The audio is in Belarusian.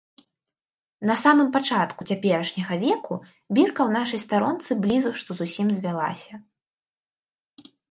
На самым пачатку цяперашняга веку бірка ў нашай старонцы блізу што зусім звялася.